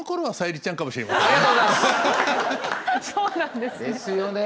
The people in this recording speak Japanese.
そうなんですね。